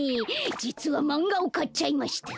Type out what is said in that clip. じつはマンガをかっちゃいました。